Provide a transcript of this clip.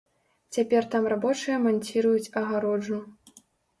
Цяпер там рабочыя манціруюць агароджу.